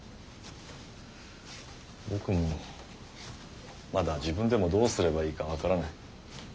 僕もまだ自分でもどうすればいいか分からない。